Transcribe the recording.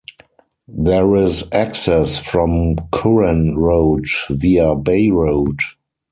There is access from Curran Road via Bay Road.